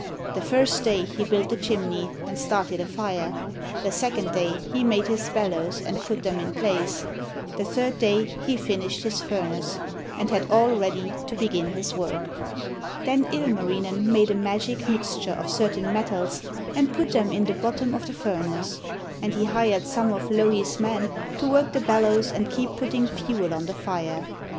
The first day he built the chimney and started a fire; the second day he made his bellows and put them in place; the third day he finished his furnace, and had all ready to begin his work. Then Ilmarinen made a magic mixture of certain metals and put them in the bottom of the furnace. And he hired some of Louhi's men to work the bellows and keep putting fuel on the fire.